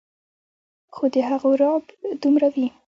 خو د هغو رعب دومره وي